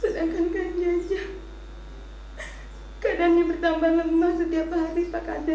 sedangkan kakaknya saja keadaannya bertambah lemah setiap hari pak kade